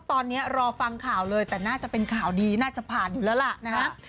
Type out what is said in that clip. ตอนนี้รอฟังข่าวเลยแต่น่าจะเป็นข่าวดีน่าจะผ่านอยู่แล้วล่ะนะฮะ